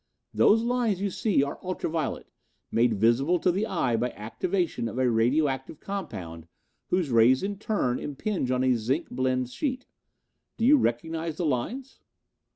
"Those lines you see are ultra violet, made visible to the eye by activation of a radioactive compound whose rays in turn impinge on a zinc blende sheet. Do you recognize the lines?"